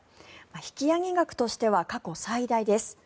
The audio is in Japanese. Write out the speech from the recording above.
引き上げ額としては過去最大です。